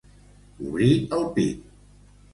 Obrir el pit.